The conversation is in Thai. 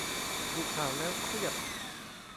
ดูข่าวแล้วเครียด